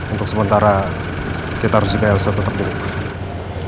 untuk sementara kita harus juga yang setutup dirumah